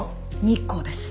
日光です。